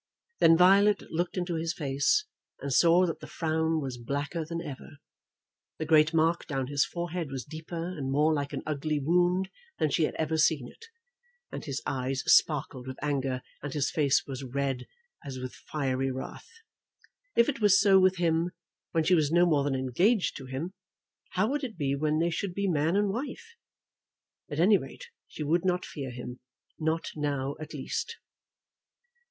Then Violet looked into his face and saw that the frown was blacker than ever. The great mark down his forehead was deeper and more like an ugly wound than she had ever seen it; and his eyes sparkled with anger; and his face was red as with fiery wrath. If it was so with him when she was no more than engaged to him, how would it be when they should be man and wife? At any rate, she would not fear him, not now at least.